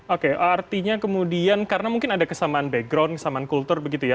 oke artinya kemudian karena mungkin ada kesamaan background kesamaan kultur begitu ya